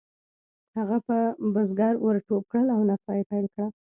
هغه په بزګر ور ټوپ کړل او نڅا یې پیل کړه.